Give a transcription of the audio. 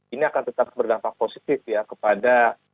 ini akan tetap berdampak positif ya kepada